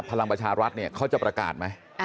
พลังประชารัฐเนี่ยเขาจะประกาศไหม